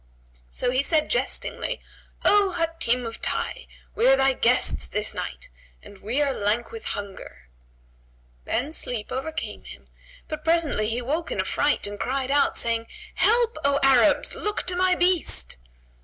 So he said jestingly, "O Hatim of Tayy! we are thy guests this night, and we are lank with hunger." Then sleep overcame him, but presently he awoke in affright and cried out, saying, "Help, O Arabs! Look to my beast!"